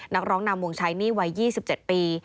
นักร้องนำวงใช้หนี้วัย๒๗ปี